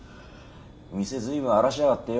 店随分荒らしやがってよ。